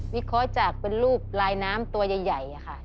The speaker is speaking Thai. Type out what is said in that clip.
วิเคราะห์จากเป็นรูปลายน้ำตัวใหญ่ค่ะ